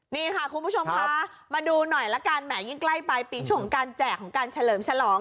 นี่ค่ะคุณผู้ชมคะมาดูหน่อยละกันแหมยิ่งใกล้ปลายปีช่วงของการแจกของการเฉลิมฉลอง